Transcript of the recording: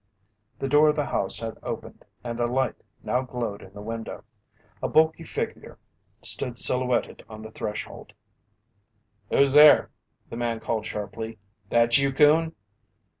The door of the house had opened and a light now glowed in the window. A bulky figure stood silhouetted on the threshold. "Who's there?" the man called sharply. "That you, Coon?"